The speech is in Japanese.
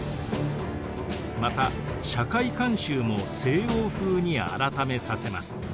また社会慣習も西欧風に改めさせます。